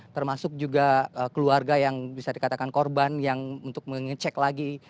termasuk juga keluarga yang bisa dikatakan korban yang untuk mengecek lagi